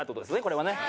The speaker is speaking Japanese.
これはね。